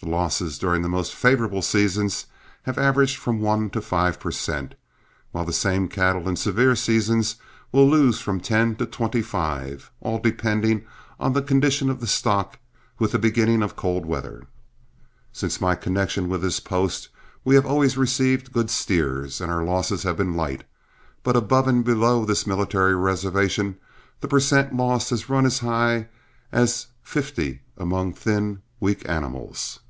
The losses during the most favorable seasons have averaged from one to five per cent., while the same cattle in a severe season will lose from ten to twenty five, all depending on the condition of the stock with the beginning of cold weather. Since my connection with this post we have always received good steers, and our losses have been light, but above and below this military reservation the per cent. loss has run as high as fifty among thin, weak animals."